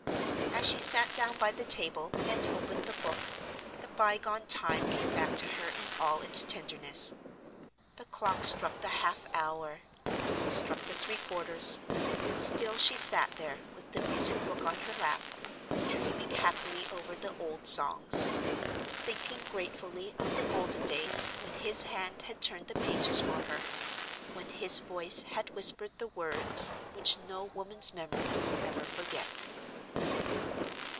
As she sat down by the table and opened the book, the bygone time came back to her in all its tenderness. The clock struck the half hour, struck the three quarters—and still she sat there, with the music book on her lap, dreaming happily over the old songs; thinking gratefully of the golden days when his hand had turned the pages for her, when his voice had whispered the words which no woman's memory ever forgets.